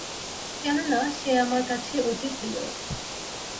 কেননা, সে আমার কাছে অতি প্রিয়।